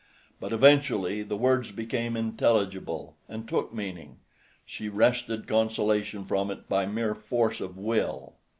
But eventually the words became intelligible and took meaning. She wrested consolation from it by mere force of will.